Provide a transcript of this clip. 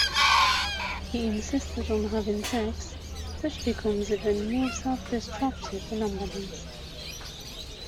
He insists on having sex but becomes even more self-destructive and unbalanced.